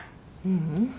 ううん。